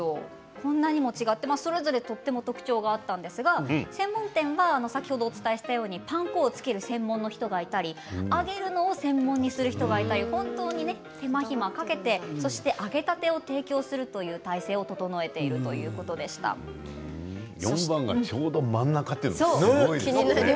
こんなにも違ってそれぞれ特徴があったんですが専門店は先ほどお伝えしたようにパン粉をつける専門の人がいたり揚げるのを専門にする人がいたり本当に手間暇かけてそして揚げたてを提供するという体制を整えている４番がちょうど真ん中というのもすごいね。